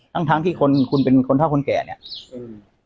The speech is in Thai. ทั้งทั้งที่คนคุณเป็นคนเท่าคนแก่เนี้ยอืม